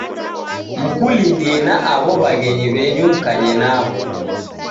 Mkulindie na aw'o w'aghenyi w'enyu mkanye naw'o.